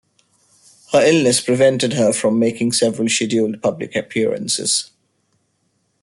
Her illness prevented her from making several scheduled public appearances.